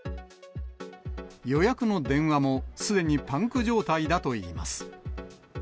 予約の電話もすでにパンク状態だといいます。